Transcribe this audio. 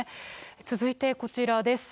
続いてこちらです。